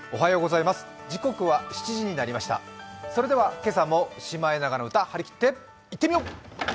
それでは今朝も「シマエナガの歌」はりきっていってみよう。